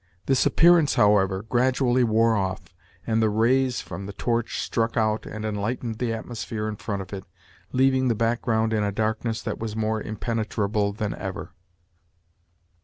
This appearance, however, gradually wore off, and the rays from the torch struck out, and enlightened the atmosphere in front of it, leaving the background in a darkness that was more impenetrable than ever.